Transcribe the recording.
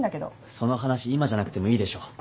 その話今じゃなくてもいいでしょ。